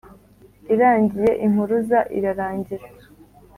irangiye « impuruza » irarangira